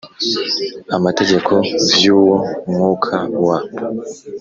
Amategekov y uwo mwukaw